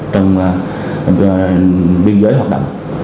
trong biên giới hoạt động